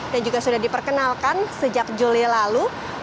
dan juga sudah diperkenalkan sejak juli lalu